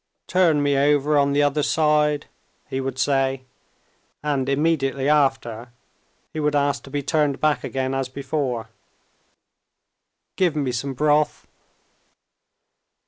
"Turn me over on the other side," he would say, and immediately after he would ask to be turned back again as before. "Give me some broth.